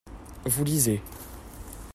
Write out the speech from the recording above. Vous lisez.